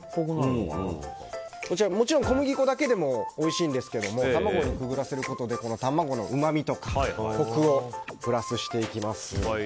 もちろん小麦粉だけでもおいしいんですけど卵にくぐらせることで卵のうまみとかコクをプラスしていきます。